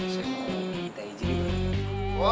saya mau minta izin di barat